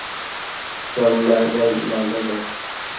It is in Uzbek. Ishlamagan nonga zor.